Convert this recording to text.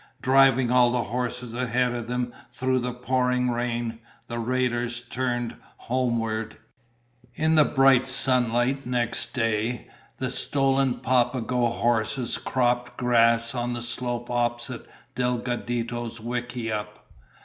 Driving all the horses ahead of them through the pouring rain, the raiders turned homeward. In bright sunlight next day, the stolen Papago horses cropped grass on the slope opposite Delgadito's wickiup.